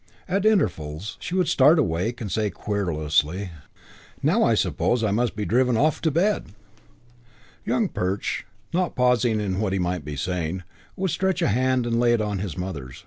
At intervals she would start awake and say querulously, "Now I suppose I must be driven off to bed." Young Perch, not pausing in what he might be saying, would stretch a hand and lay it on his mother's.